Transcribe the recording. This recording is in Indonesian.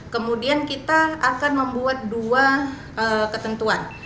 kemudian kita akan membuat dua ketentuan